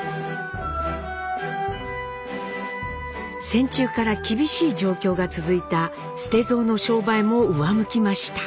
戦中から厳しい状況が続いた捨蔵の商売も上向きました。